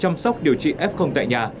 chăm sóc điều trị f tại nhà